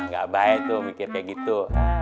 gak baik tuh mikir kayak gitu